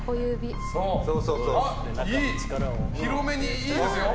広めにいいですよ。